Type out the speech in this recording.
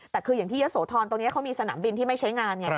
แต่คืออย่างที่ยะโสธรตรงนี้เขามีสนามบินที่ไม่ใช้งานไง